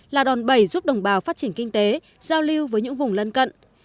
là đòn bẩy giúp đồng bào phát triển kinh tế giao lưu với những vùng lân cận